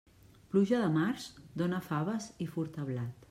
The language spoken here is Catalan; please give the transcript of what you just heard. Pluja de març, dóna faves i furta blat.